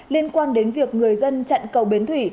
liên quan đến việc người dân chặn cầu bến thủy